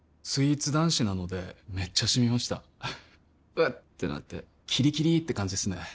スイーツ男子なのでめっちゃシミました「うっ」ってなってキリキリって感じですね